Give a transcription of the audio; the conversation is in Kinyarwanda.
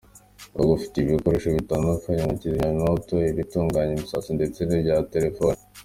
Bagufitiye ibikoresho bityandukanye nka Kizimyamoto, ibitunganya imisatsi ndetse n'ibya telefoni.